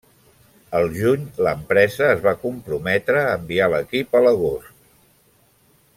Al juny, l'empresa es va comprometre a enviar l'equip a l'agost.